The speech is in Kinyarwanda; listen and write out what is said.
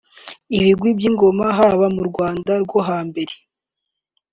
Ibigwi by’ingoma haba mu Rwanda rwo ha mbere